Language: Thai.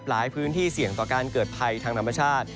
หลายพื้นที่เสี่ยงต่อการเกิดภัยทางธรรมชาติ